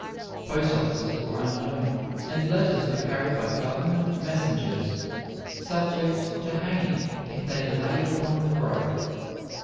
Post offices were unknown, and letters were carried by government messengers subject to hanging if they delayed upon the road.